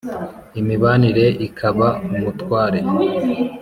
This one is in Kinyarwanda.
imibanire ikaba umutware